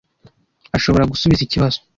Ashobora gusubiza ikibazo.